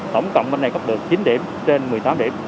tổng cộng bên này có được chín điểm trên một mươi tám điểm